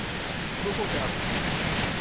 prorrogado